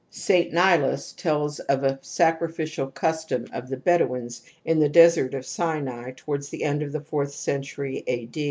Saint Nilus tells of a sacrificial custom of the Bedouins in the desert of Sinai towards the end of the fourth century a.